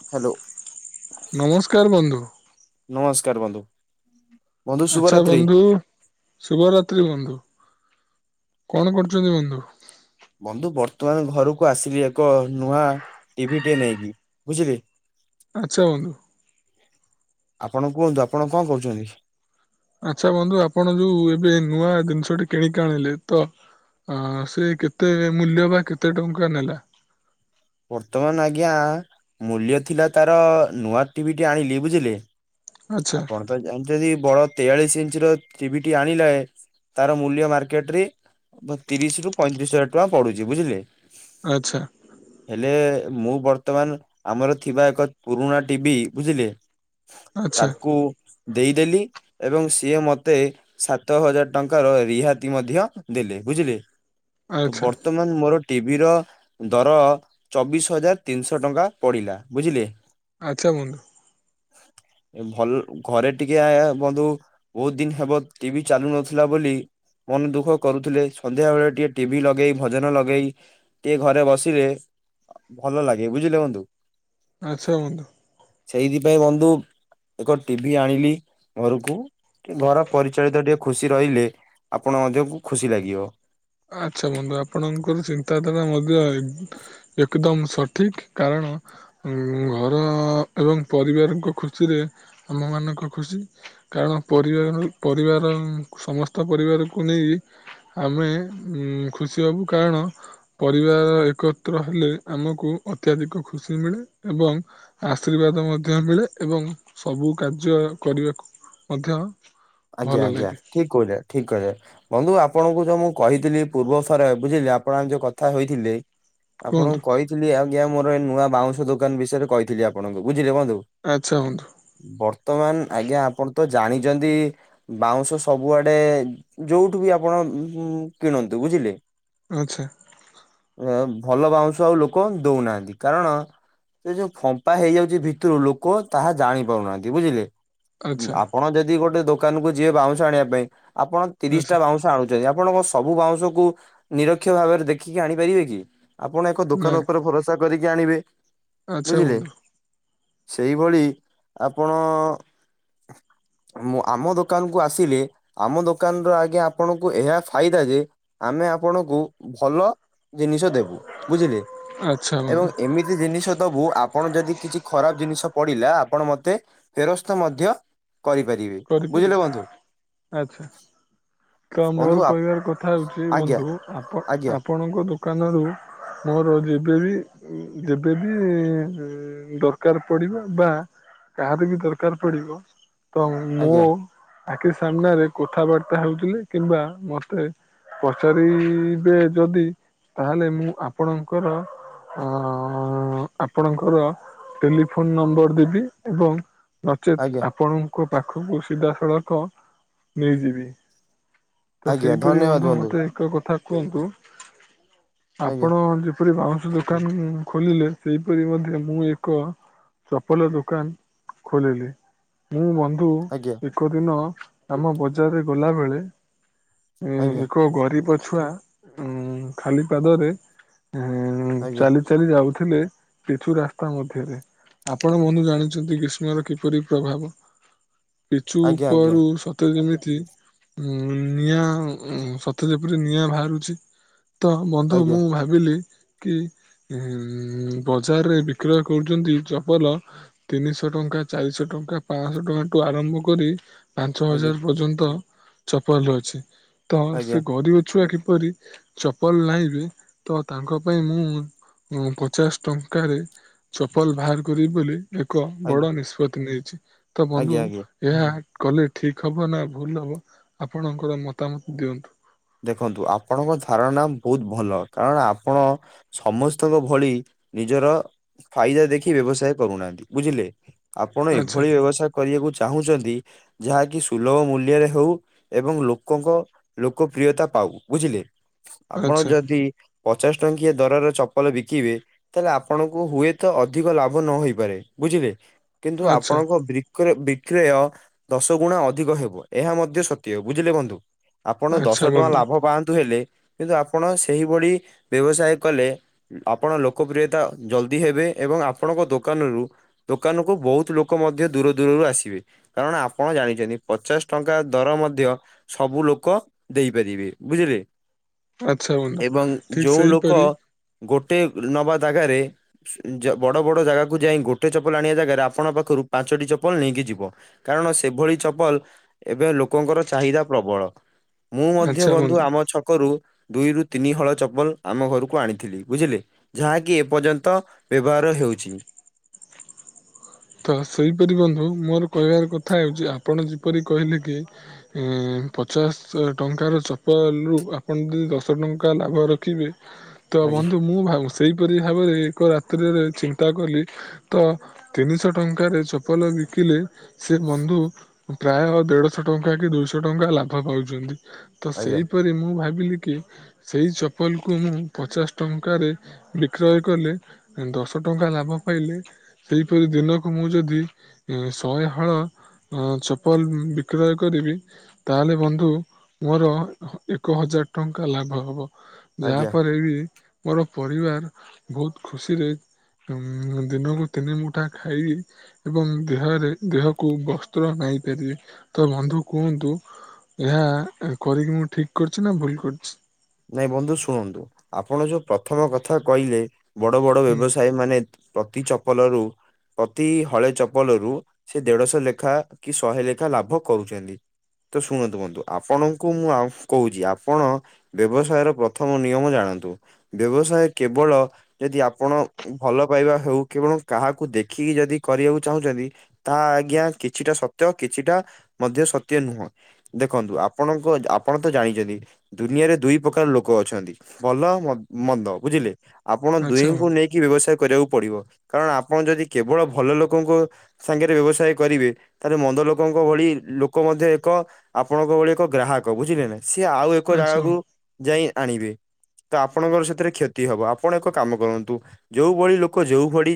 [inaudible] ନମସ୍କାର୍ ବନ୍ଧୁ! ନମସ୍କାର୍ ବନ୍ଧୁ! ବନ୍ଧୁ ଆଚ୍ଛା ଶୁଭରାତ୍ରି। ବନ୍ଧୁ, ଶୁଭ ରାତ୍ରି ବନ୍ଧୁ! କ'ଣ କରୁଚନ୍ତି ବନ୍ଧୁ? ବନ୍ଧୁ ବର୍ତ୍ତମାନ ଘରକୁ ଆସିଲି। ଏକ ନୂଆ ଟିଭି ଟେ ନେଇକି, ବୁଝିଲେ। ଆଚ୍ଛା, ବନ୍ଧୁ। ଆପଣ କୁହନ୍ତୁ, ଆପଣ ଙ୍କ କହୁଚନ୍ତି? ଆଚ୍ଛା, ବନ୍ଧୁ ଆପଣ ଯଉ ଏବେ ନୂଆ ଦିନ୍‌ଷ ଟି କିଣିକି ଆଣିଲେ। ତ ହଁ, ସେ କେତେ ମୂଲ୍ୟ ବା କେତେ ଟଙ୍କା ନେଲା? ବର୍ତ୍ତମାନ୍ ଆଜ୍ଞା ମୂଲ୍ୟ ଥିଲା, ତା'ର ନୂଆ ଟିଭି ଟେ ଆଣିଲି ବୁଝିଲେ। ଆଚ୍ଛା [inaudible] ବଡ଼ ତେୟାଳିଶ୍ ଇଞ୍ଚ୍ ର ଟିଭିିଟି ଆଣିଲେ। ତା'ର ମୂଲ୍ୟ ମାର୍କେଟ୍ ରେ ତିରିଶ୍ ରୁ ପଇଁତିରିଶ୍ ହଜାର୍ ଟଙ୍କା ପଡୁଚି ବୁଝିଲେ। ଆଚ୍ଛା। ହେଲେ, ମୁଁ ବର୍ତ୍ତମାନ୍‌ ଆମର ଥିବା ଏକ ପୁରୁଣା ଟିବି ବୁଝିଲେ। ଆଚ୍ଛା ତାକୁ ଦେଇଦେଲି, ଏବଂ ସିଏ ମତେ ସାତ ହଜାର୍ ଟଙ୍କାର ରିହାତି ମଧ୍ୟ ଦେଲେ, ବୁଝିଲେ। ଆଚ୍ଛା ବର୍ତ୍ତମାନ୍‌ ମର ଟିଭି ର ଦର ଚବିଶ୍ ହଜାର୍ ତିନ୍ଶ ଟଙ୍କା ପଡ଼ିଲା, ବୁଝିଲେ। [inaudible] ଘରେ ଟିକେ ବନ୍ଧୁ ବହୁତ୍ ଦିନ ହେବ ଟିଭି ଚାଲୁ ନଥିଲା ବୋଲି। ମନ୍‌ ଦୁଃଖ କରୁଥିଲେ, ସନ୍ଧ୍ୟାବଳେ ଟିକେ ଟିଭି ଲଗେଇ ଭଜନ ଲଗେଇ। ଟିକେ ଘରେ ବସିଲେ ଭଲ ଲାଗେ ବୁଝିଲେ ବନ୍ଧୁ। ଆଚ୍ଛା ବନ୍ଧୁ। ସେଇଥି ପାଇଁ ବନ୍ଧୁ ଏକ ଟିଭି ଆଣିଲି ଘରୁକୁ। ଘର ପରିଚାଳିତ ଟିକେ ଖୁସି ରହିଲେ, ଆପଣ ମଧ୍ୟକୁ ଖୁସି ଲାଗିବ। ଆଚ୍ଛା ବନ୍ଧୁ, ଆପଣଙ୍କର ଚିନ୍ତାଧାରା ମଧ୍ୟ ଏକେଦମ୍‌ [inaudible] ଘର ଏବଂ ପରିବାରଙ୍କ ଖୁସିରେ ଆମ ମାନଙ୍କ ଖୁସି। ପରିବାର ରୁ ପରିବାର ସମସ୍ତ ପରିବାରକୁ ନେଇ ଆମେ ଖୁସି ହବୁ, କାରଣ ପରିବାର ଏକତ୍ର ହେଲେ ଆମକୁ ଅତ୍ୟାଧିକ ଖୁସି ମିଳେ। ଏବଂ ଆଶୀର୍ବାଦ ମଧ୍ୟ ମିଳେ। ଏବଂ ସବୁ କାର୍ଯ୍ୟ କରିବାକୁ [inaudible] ଆଜ୍ଞା ଭଲ ଆଜ୍ଞା, ଲାଗେ ଠିକ୍ ଠିକ୍ କହିଲେ। ବନ୍ଧୁ ଆପଣଙ୍କୁ ଯଉ ମୁଁ କହିଥିଲି, ପୂର୍ବ ବୁଝିଲେ ଆପଣ ଯଉ କଥା ହୋଇଥିଲେ। କୁହନ୍ତୁ ଆପଣଙ୍କୁ କହିଥିଲି ଆଜ୍ଞା, ମୋର ଏ ନୂଆ ବାଉଁଶ ଦୋକାନ ବିଷୟରେ କହିଥିଲି ଆପଣଙ୍କୁ, ବୁଝିଲେ ବନ୍ଧୁ। ଆଚ୍ଛା ବନ୍ଧୁ। ବର୍ତ୍ତମାନ୍‌, ଆଜ୍ଞା ଆପଣ୍ ତ ଜାଣିଚନ୍ତି। ବାଉଁଶ ସବୁ ଆଡ଼େ, ଉଠୁ ବି ଆପଣ କିଣନ୍ତୁ ବୁଝିଲେ। [inaudible] ଭଲ ବାଉଁଶ ଆଉ ଲୋକ ଦଉ ନାହାନ୍ତି। କାରଣ ସେ ଯଉ ଫମ୍ପା ହେଇଯାଉଚି, ଭିତରୁ ଲୋକ ତାହା ଜାଣି ପାରୁ ନାହାନ୍ତି ବୁଝିଲେ। ଉଁ ଆଚ୍ଛା ଆପଣ ଯଦି ଗୋଟେ ଦୋକାନ କୁ ଯିବେ ବାଉଁଶ ଆଣିବା ପାଇଁ ଆପଣ ତିରିଶଟା ଆଚ୍ଛା ବାଉଁଶ ଆଣୁ ଯଦି ଆପଣଙ୍କ ସବୁ ବାଉଁଶକୁୁ ନିରକ୍ଷ ଭାବରେ ଦେଖିକି ଆଣିପାରିବେ କି? ଆପଣ ଏକ ଦୋକାନ ନାଇଁ ଉପରେ ଭରସା କରିକି ଆଣିବେ ଆଚ୍ଛା ବୁଝିଲେ। ବନ୍ଧୁ ସେଇଭଳି ଆପଣ ମୁଁ ଆମ ଦୋକାନକୁ ଆସିଲେ ଆମ ଦୋକାନର ଆଜ୍ଞା ଆପଣଙ୍କୁ ଏହା ଫାଇଦା ଯେ ଆମେ ଆପଣଙ୍କୁ ଭଲ ଜିନିଷ ଦେବୁ ବୁଝିଲେ। ଆଚ୍ଛା ଏବଂ ବନ୍ଧୁ ଏମିତି ଜିନିଷ ଦବୁ ଆ ଆପଣ ଯଦି କିଛି ଖରାପ ଜିନିଷ ପଡିଲା ଆପଣ ମତେ ଫେରସ୍ତ ମଧ୍ୟ କରିପାରିବେ। ବୁଝିଲେ କରିପାରିବି ବନ୍ଧୁ ଆଛା। ତ ମୋର ବନ୍ଧୁ ଆ କହିବାର କଥା ହେଉଛି ଆଜ୍ଞା ବନ୍ଧୁ ଆପ ଆଜ୍ଞା ଆପଣଙ୍କ ଦୋକାନରୁ ମୋର ଯେବେବି ଉଁ ଯେବେବି ଦରକାର ପଡିବ ବା କାର ବି ଦରକାର ପଡିବ ତ ମୋ ଆଜ୍ଞା ଆଖି ସାମ୍ନାରେ କଥାବାର୍ତ୍ତା ହଉଥିଲେ କିମ୍ବା ମସ୍ତେ ପଚାରି ବେ ଯଦି ତାହେଲେ ମୁଁ ଆପଣଙ୍କର ହଁ ଅଁ ଆପଣଙ୍କର ଟେଲିଫୋନ୍ ନମ୍ବର ଦେବି ଏବଂ ନଚେତ୍ ଆଜ୍ଞା ଆପଣଙ୍କ ପାଖକୁ ସିଧାସଳଖ ନେଇଯିବି। ତ ଆଜ୍ଞା ସେଇପରି ଧନ୍ୟବାଦ ବନ୍ଧୁ ମତେ ଏକ କଥା କୁହନ୍ତୁ ଆଜ୍ଞା ଆପଣ ଯେପରି ବାଉଁଶ ଦୋକାନ ଖୋଲିଲେ ସେଇପରି ମଧ୍ୟ ମୁଁ ଏକ ଚପଲ ଦୋକାନ ଖୋଲିଲି ମୁଁ ବନ୍ଧୁ ଆଜ୍ଞା ଆଉ ଏକ ଦିନ ଆମ ବଜାରେ ଗଲାବେଳେ ଉଁ ଆଜ୍ଞା ଏକ ଗରିବ ଛୁଆ ଉଁ ଖାଲି ପାଦରେ ଅଁ ଚାଲି ଚାଲି ଯାଉଥିଲେ ପିଚୁ ରାସ୍ତା ମଧ୍ୟରେ ଆପଣ ବନ୍ଧୁ ଜାଣିଛନ୍ତି ଗ୍ରୀଷ୍ମର କିପରି ପ୍ରଭାବ ପିଚୁ ଆଜ୍ଞା ଆଜ୍ଞା ଉପରୁ ସ ସତ ଯେମିତି ଉଁ ନିଆଁ ସତ ଯେପରି ନିଆଁ ବାହାରୁଛି। ତ ବନ୍ଧୁ ଆଜ୍ଞା ମୁଁ ଭା ବିଲି କି ଉଁ ବଜାରରେ ବିକ୍ରୟ କରୁଚନ୍ତି ଚପଲ ତିନିଶ ଟଙ୍କା, ଚାରିଶ ଟଙ୍କା, ପାଅଁଶ ଟଙ୍କା ଟୁ ଆରମ୍ଭ କରି ପାଞ୍ଚ ଆଜ୍ଞା ହଜାର ପର୍ଯ୍ୟନ୍ତ ଚପଲ ଅଛି। ତ ସେ ଆଜ୍ଞା ଗରିବ ଛୁଆ କିପରି ଚପଲ ନାଇଁବେ ତ ତାଙ୍କ ପାଇଁ ମୁଁ ପଚାଶ ଟଙ୍କାରେ ଚପଲ ବାହାର କରିବି ବୋଲି ଏକ ଆଜ୍ଞା ବଡ ନିଷ୍ପତ୍ତି ନେଇଛି। ତ ଆଜ୍ଞା ଆଜ୍ଞା ବନ୍ଧୁ ଆଜ୍ଞା ଏହା କଲେ ଠିକ୍ ହବ ନା ଭୁଲ ହବ ଆପଣଙ୍କର ମତାମତ ଦିଅନ୍ତୁ। ଦେଖନ୍ତୁ ଆପଣଙ୍କ ଧାରଣା ବହୁତ ଭଲ କାରଣ ଆପଣ ସମସ୍ତଙ୍କ ଭଳି ନିଜର ଫାଇଦା ଦେଖି ବ୍ୟବସାୟ କରୁନାହାନ୍ତି ବୁଝିଲେ। ଆପଣ ଆଚ୍ଛା ଏଭଳି ବ୍ୟବସାୟ କରାଇବାକୁ ଚାହୁଁଛନ୍ତି ଯାହାକି ସୁଲଭ ମୂଲ୍ୟରେ ହେଉ ଏବଂ ଲୋକଙ୍କ ଲୋକ ପ୍ରିୟତା ପାଉ ବୁଝିଲେ ଆପଣ ଆଚ୍ଛା ଯଦି ପଚାଶ ଟଙ୍କିଆ ଦରର ଚପଲ ବିକିବେ ତାହେଲେ ଆପଣଙ୍କୁ ହୁଏତ ଅଧିକ ଲାଭ ନ ହେଇପାରେ ବୁଝିଲେ କିନ୍ତୁ ଆଚ୍ଛା ଆପଣଙ୍କ ବ୍ରି କ୍ର ବିକ୍ରୟ ଦଶ ଗୁଣା ଅଧିକ ହେବ ଏହା ମଧ୍ୟ ସତ୍ୟ ବୁଝିଲେ ବନ୍ଧୁ। ଆପଣ ଆଚ୍ଛା ଦଶ ଟଙ୍କା ବନ୍ଧୁ ଲାଭ ପାଆନ୍ତୁ ହେଲେ କିନ୍ତୁ ଆପଣ ସେହିଭଳି ବ୍ୟବସାୟ କଲେ ଆପଣ ଲୋକପ୍ରିୟତା ଜଲଦି ହେବେ ଏବଂ ଆପଣଙ୍କ ଦୋକାନରୁ ଦୋକାନକୁ ବହୁତ ଲୋକ ମଧ୍ୟ ଦୂର ଦୂରରୁ ଆସିବେ। କାରଣ ଆପଣ ଜାଣିଚନ୍ତି ପଚାଶ ଟଙ୍କା ଦର ମଧ୍ୟ ସବୁ ଲୋକ ଦେଇପାରିବେ ବୁଝିଲେ ଆଚ୍ଛା ବନ୍ଧୁ ଏବଂ ଠିକ୍ ଯୋଉ ଲୋକ ସେହିପରି ଗୋଟେ ନବା ଜାଗାରେ ସୁ ଜ ବଡ ବଡ ଜାଗାକୁ ଯାଇ ଗୋଟେ ଚପଲ ଆଣିବା ଜାଗାରେ ଆପଣ ପାଖରୁ ପାଞ୍ଚଟି ଚପଲ ନେଇକି ଯିବ କାରଣ ସେଭଳି ଚପଲ ଏବେ ଲୋକଙ୍କର ଚାହିଦା ପ୍ରବଳ। ମୁଁ ମଧ୍ୟ ବନ୍ଧୁ ଆମ ଛକରୁ ଦୁଇରୁୁ ତିନି ହଳ ଚପଲ ଆମ ଘରକୁ ଆଣିଥିଲି ବୁଝିଲେ। ଯାହାକି ଏ ପର୍ଯ୍ୟନ୍ତ ବ୍ୟବହାର ହେଉଛି। ତ ସେହିପରି ବନ୍ଧୁ ମୋର କହିବାର କଥା ହେଉଛି ଆପଣ ଯେପରି କହିଲେ କି? ଏ ପଚାଶ ଟଙ୍କାର ଚପଲରୁ ଆପଣ ଯଦି ଦଶ ଟଙ୍କା ଲାଭ ରଖିବେ ହଁ ତ ଆଜ୍ଞା ବନ୍ଧୁ ମୁଁ ଭାବ ସେଇପରି ଭାବରେ ଏକ ରାତ୍ରିରେ ଚିନ୍ତା କଲି ତ ତିନିଶହ ଟଙ୍କାରେ ଚପଲ ବିକିଲେ ସେ ବନ୍ଧୁ ପ୍ରାୟ ଦେଢଶହ ଟଙ୍କା କି ଦୁଇଶହ ଟଙ୍କା ଲାଭ ପାଉଛନ୍ତି। ତ ଆଜ୍ଞା ସେହିପରି ମୁଁ ଭାବିଲି କି? ସେଇ ଚପଲକୁ ମୁଁ ପଚାଶ ଟଙ୍କାରେ ବିକ୍ରୟ କଲେ ଦଶ ଟଙ୍କା ଲାଭ ପାଇଲେ। ସେପରି ଦିନକୁ ମୁଁ ଯଦି ଶହେ ହଳ ହଁ ଚପଲ ବିକ୍ରୟ କରିବି। ତାହେଲେ ବନ୍ଧୁ ମୋର ଏକ ହଜାର ଟଙ୍କା ଲାଭ ହବ। ଆଜ୍ଞା। ଯାହା ପରେ ବି ମୋର ପରିବାର ବହୁତ ଖୁସିରେ ଉ ଦିନକୁ ତିନି ମୁ ତା ଖାଇ ଏବଂ ଦେହରେ ଦେହକୁ ବସ୍ତ୍ର ନାଇପାରିବେ ତ ବନ୍ଧୁ କୁହନ୍ତୁ? ଏହା କରିକି ମୁଁ ଠିକ କରୁଛି ନା ଭୁଲ କରିଛି? ନାଇଁ ବନ୍ଧୁ ଶୁଣନ୍ତୁ ଆପଣ ଯୋଉ ପ୍ରଥମ କଥା କହିଲେ ବଡ ବଡ ହୁଁ ବ୍ୟବସାୟୀ ମାନେ ପ୍ରତି ଚପଲରୁ ପ୍ରତି ହଳ ଚପଲରୁ ସେ ଦେଢଶହ ଲେଖା କି ଶହେ ଲେଖା ଲାଭ କରୁଛନ୍ତି। ତ ଶୁଣନ୍ତୁ ବନ୍ଧୁ ଆପଣଙ୍କୁ ମୁଁ କହୁଛି ଆପଣ ବ୍ୟବସାୟର ପ୍ରଥମ ନିୟମ ଜାଣନ୍ତୁ ବ୍ୟବସାୟ କେବଳ ଯଦି ଆପଣ ଭଲ ପାଇବା ହଉ କେବଳ କାହାକୁ ଦେଖିକି ଯଦି କରିବାକୁ ଚାହୁଁଛନ୍ତି? ତା ଆଜ୍ଞା କିଛିଟା ସତ୍ୟ କିଛିଟା ମଧ୍ୟ ସତ୍ୟ ନୁହଁ। ଦେଖନ୍ତୁ ଆପଣଙ୍କ ଆପଣ ତ ଜାଣିଛନ୍ତି ଦୁନିଆରେ ଦୁଇ ପ୍ରକାର ଲୋକ ଅଛନ୍ତି ଭଲ ମନ୍ଦ ବୁଝିଲେ ଆପଣ ଆଚ୍ଛା ଦୁହିଁଙ୍କୁ ବନ୍ଧୁ ନେଇ କି ବ୍ୟବସାୟ କରିବାକୁ ପଡିବ କାରଣ ଆପଣ ଯଦି କେବଳ ଭଲ ଲୋକଙ୍କୁ ସାଙ୍ଗରେ ବ୍ୟବସାୟ କରିବେ। ତାହେଲେ ମନ୍ଦ ଲୋକଙ୍କ ଭଳି ଲୋକ ମଧ୍ୟ ଏକ ଆପଣଙ୍କ ଭଳି ଏକ ଗ୍ରାହକ ବୁଝିଲେ ନା? ସିଏ ଆଉ ଏକ ଆଚ୍ଛା ବନ୍ଧୁ ଜାଗାକୁ ଯାଇ ଆଣିବେ। ତ ଆପଣଙ୍କର ସେଥିରେ କ୍ଷତି ହବ ଆପଣ ଏକ କାମ କରନ୍ତୁ ଯୋଉଭଳି ଲୋକ ଯୋଉ ଭଳି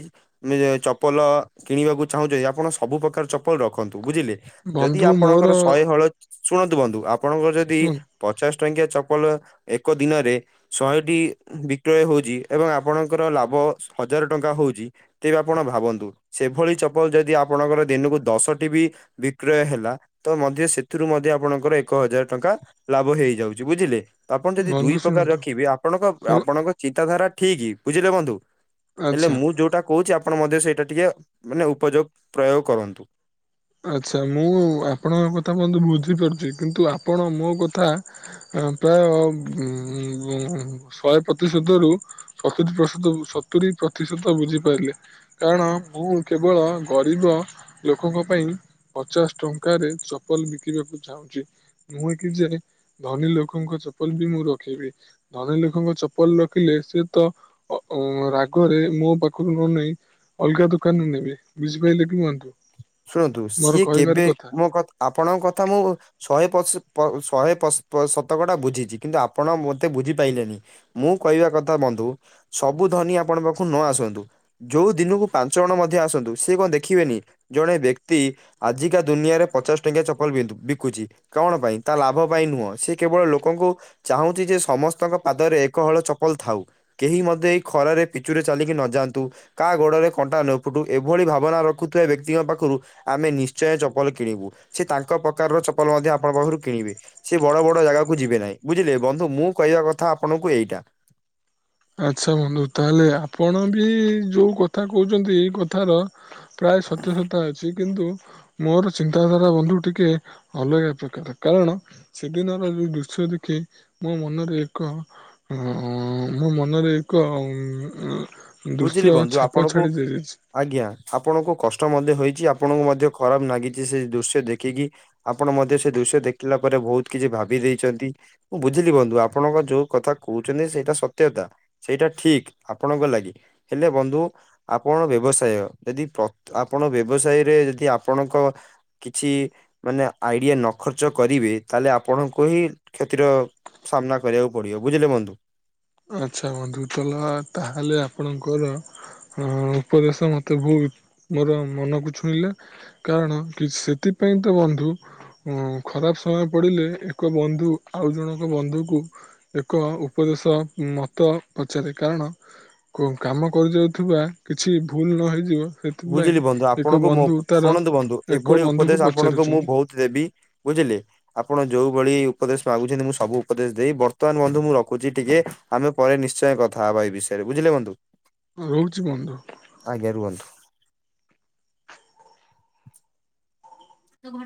ଚପଲ କିଣିବାକୁ ଚାହୁଁଛନ୍ତି ଆପଣ ସବୁ ପ୍ରକାର ଚପଲ ର ରଖନ୍ତୁ ବୁଝିଲେ ଯଦି ବନ୍ଧୁ ମୋର ଆପଣଙ୍କର ଶହେ ହଳ ଶୁଣନ୍ତୁ ବନ୍ଧୁ ଆପଣଙ୍କର ଯଦି କୁହନ୍ତୁ ପଚାଶ ଟଙ୍କିଆ ଚପଲ ଏକ ଦିନରେ ଶହେଟି ବିକ୍ରୟ ହଉଛି ଏବଂ ଆପଣଙ୍କର ଲାଭ ହଜାର ଟଙ୍କା ହଉଛି। ତେବେ ଆପଣ ଭାବନ୍ତୁ ସେଭଳି ଚପଲ ଯଦି ଆପଣଙ୍କର ଦିନକୁ ଦଶଟି ବି ବିକ୍ରୟ ହେଲା ତ ମଧ୍ୟ ସେଥିରୁ ମଧ୍ୟ ଆପଣଙ୍କର ଏକ ହଜାର ଟଙ୍କା ଲାଭ ହେଇଯାଉଛି ବୁଝିଲେ? ଆପଣ ଯଦି ବନ୍ଧୁ ଦୁଇ ପ୍ରକାର ଶୁଣନ୍ତୁ ରଖିବେ ଆପଣଙ୍କ ଶୁଣ ଆପଣଙ୍କ ଚିନ୍ତାଧାରା ଠିକ ବୁଝିଲେ ବନ୍ଧୁ। ହେଲେ ଆଚ୍ଛା ମୁଁ ଯୋଉଟା କହୁଛି ଆପଣ ମଧ୍ୟ ସେଇଟା ଟିକେ ମାନେ ଉପଯୋଗ ପ୍ରୟୋଗ କରନ୍ତୁ। ଆଚ୍ଛା ମୁଁ ଆପଣଙ୍କ କଥା ବନ୍ଧୁ ବୁଝିପାରୁଛି କିନ୍ତୁ ଆପଣ ମୋ କଥା ପ୍ରାୟ ଉ ଶହେ ପ୍ରତିଶତରୁ ସତୁରି ପ୍ରତିଶତ ସତୁରି ପ୍ରତିଶତ ବୁଝିପାରିଲେ? କାରଣ ମୁଁ କେବଳ ଗରିବ ଲୋକଙ୍କ ପାଇଁ ପଚାଶ ଟଙ୍କାରେ ଚପଲ ବିକିବାକୁ ଚାହୁଁଛି। ନୁହେଁ କି ଯେ ଧନୀ ଲୋକଙ୍କ ଚପଲ ବି ମୁଁ ରଖିବି। ଧନୀ ଲୋକଙ୍କ ଚପଲ ରଖିଲେ ସିଏ ତ ଅ ଅ ରାଗରେ ମୋ ପାଖରୁ ନ ନେଇ ଅଲଗା ଦୋକାନରୁ ନେବେ ବୁଝିପାଇଲେ କି ବନ୍ଧୁ? ଶୁଣନ୍ତୁ ମୋର ସିଏ କହିବାର କେବେ କଥା। ମୋ କ ଆପଣଙ୍କ କଥା ମୁଁ ଶହେ ପସ ପ ଶହେ ପସ୍ ପ ଶତକଡା ବୁଝିଛି କିନ୍ତୁ ଆପଣ ମୋତେ ବୁଝିପାଇଲେନି। ମୁଁ କହିବା କଥା ବନ୍ଧୁ, ସବୁ ଧନୀ ଆପଣଙ୍କ ପାଖକୁ ନ ଆସନ୍ତୁ। ଯୋଉ ଦିନକୁ ପାଞ୍ଚ ଜଣ ମଧ୍ୟ ଆସନ୍ତୁ। ସେ କଣ ଦେଖିବେନି ଜଣେ ବ୍ୟକ୍ତି ଆଜିକା ଦୁନିଆରେ ପଚାଶ ଟଙ୍କିଆ ଚପଲୁ ବିନ୍ଧୁ ବିକୁଚି। କଣ ପାଇଁ? ତା ଲାଭ ପାଇଁ ନୁହଁ। ସେ କେବଳ ଲୋକଙ୍କୁ ଚାହୁଁଛି ଯେ, ସମସ୍ତଙ୍କ ପାଦରେ ଏକ ହଳ ଚପଲ ଥାଉ। କେହି ମଧ୍ଯ ଏଇ ଖରାରେ ପିଚୁରେ ଚାଲିକି ନଯାଆନ୍ତୁ। କା ଗୋଡରେ କଣ୍ଟା ନ ଫୁଟୁ। ଏଭଳି ଭାବନା ରଖୁଥିବା ବ୍ୟକ୍ କ୍ତି ଙ୍କ ପାଖରୁ ଆମେ ନିଶ୍ଚୟ ଚପଲ କିଣିବୁ। ସେ ତାଙ୍କ ପ୍ରକାରର ଚପଲ ମଧ୍ୟ ଆପଣଙ୍କ ପାଖରୁ କିଣିବେ। ସେ ବଡ ବଡ ଜାଗାକୁ ଯିବେ ନାହିଁ, ବୁଝିଲେ ବନ୍ଧୁ। ମୁଁ କହିବା କଥା ଆପଣଙ୍କୁ ଏଇଟା। ଆଚ୍ଛା, ବନ୍ଧୁ ତାହେଲେ ଆପଣ ବି ଯୋଉ କଥା କହୁଛନ୍ତି। ଏଇ କଥାର ପ୍ରାୟ ସତ୍ୟସତା ଅଛି। କିନ୍ତୁ, ମୋର ଚିନ୍ତାଧାରା ବନ୍ଧୁ ଟିକେ ଅଲଗା ପ୍ରକାର। କାରଣ ସେ ଦିନର ଯୋଉ ଦୃଶ୍ୟ ଦେଖି ମୋ ମନରେ ଏକ ଅ-ଅଁ ମୋ ମନରେ ଏକ ଉଁ ବୁଝିଲି ଦୃଶ୍ୟ ବନ୍ଧୁ ଛାପ ଆପଣଙ୍କୁ ଛାଡି ଯାଇଛି। ଆଜ୍ଞା, ଆପଣଙ୍କୁ କଷ୍ଟ ମଧ୍ୟ ହୋଇଛି। ଆପଣଙ୍କୁ ମଧ୍ୟ ଖରାପ ନାଗିଛି ସେ ଦୃଶ୍ୟ ଦେଖିକି। ଆପଣ ମଧ୍ୟ ସେ ଦୃଶ୍ୟ ଦେଖିଲା ପରେ, ବହୁତ କିଛି ଭାବି ଦେଇଛନ୍ତି। ମୁଁ, ବୁଝିଲି ବନ୍ଧୁ ଆପଣଙ୍କ ଯୋଉ କଥା କହୁଛନ୍ତି, ସେଇଟା ସତ୍ୟତା। ସେଇଟା ଠିକ୍ ଆପଣଙ୍କ ଲାଗି। ହେଲେ ବନ୍ଧୁ ଆପଣ ବ୍ୟବସାୟ ଯଦି ପ୍ରତ୍ ଆପଣ ବ୍ୟବସାୟରେ ଯଦି ଆପଣଙ୍କ କିଛି ମାନେ ଆଇଡିଆ ନ ଖର୍ଚ୍ଚ କରିବେ। ତାହେଲେ ଆପଣଙ୍କୁ ହିଁ କ୍ଷତିର ସାମ୍ନା କରିବାକୁ ପଡିବ। ବୁଝିଲେ ବନ୍ଧୁ! ଆଚ୍ଛା, ବନ୍ଧୁ ତଲ ତାହେଲେ ଆପଣଙ୍କର ହଁ ଉପଦେଶ ମତେ ବୁହୁତ୍ ମୋର ମନକୁ ଛୁଇଁଲା। କାରଣ କି ସେଥିପାଇଁ ତ ବନ୍ଧୁ ଉଁ ଖରାପ ସମୟ ପଡିଲେ ଏକ ବନ୍ଧୁ ଆଉ ଜଣଙ୍କ ବନ୍ଧୁକୁ ଏକ ଉପଦେଶ ମତ ପଚାରେ କାରଣ କ କାମ କରି ଯାଉଥିବା, କିଛି ଭୁଲ ନ ହେଇଯିବ ସେଥିପାଇଁ ବୁଝିଲି ବନ୍ଧୁ, ଏକ ଆପଣଙ୍କୁ ମୋ ବନ୍ଧୁ ତାର ଶୁଣନ୍ତୁ ବନ୍ଧୁ ଏକ ଏଭଳି ବନ୍ଧୁକୁ ଉପଦେଶ ଆପଣଙ୍କୁ ମୁଁ ପଚାରୁଛନ୍ତି ବହୁତ ଦେବି ବୁଝିଲେ। ଆପଣ ଯୋଉ ଭଳି ଉପଦେଶ ମାଗୁଛନ୍ତି। ମୁଁ ସବୁ ଉପଦେଶ ଦେଇ ବର୍ତ୍ତମାନ ବନ୍ଧୁ ମୁଁ ରଖୁଛି ଟିକେ। ଆମେ ପରେ ନିଶ୍ଚୟ କଥା ହବା, ଏଇ ବିଷୟ ରେ ବୁଝିଲେ ବନ୍ଧୁ। ରହୁଛି ବନ୍ଧୁ। ଆଜ୍ଞା ରୁହନ୍ତୁ।